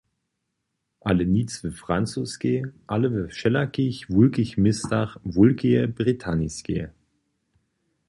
Ale nic w Francoskej, ale we wšelakich wulkich městach Wulkeje Britaniskeje.